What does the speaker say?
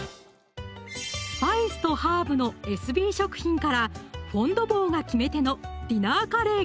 スパイスとハーブのエスビー食品からフォン・ド・ボーが決め手の「ディナーカレー」